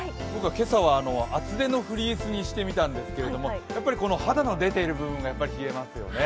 今朝は厚手のフリースにしてみたんですがこの肌の出ている部分が冷えますよね。